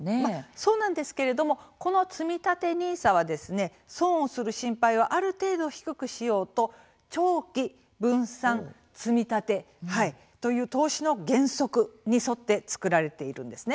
そうなんですけれどもこの、つみたてＮＩＳＡはですね損をする心配をある程度低くしようと長期、分散、積み立てという投資の原則に沿って作られているんですね。